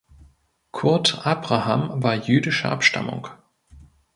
Kurt Abraham war jüdischer Abstammung.